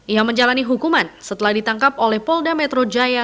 ia menjalani hukuman setelah ditangkap oleh polda metro jaya